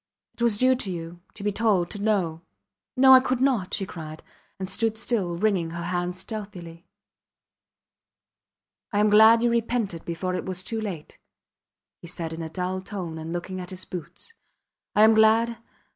It was due to you to be told to know. No! I could not! she cried, and stood still wringing her hands stealthily. I am glad you repented before it was too late, he said in a dull tone and looking at his boots. I am glad ...